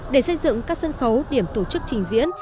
để xây dựng các sân khấu điểm tổ chức trình diễn